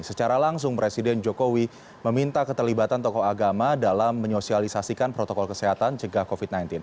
secara langsung presiden jokowi meminta keterlibatan tokoh agama dalam menyosialisasikan protokol kesehatan cegah covid sembilan belas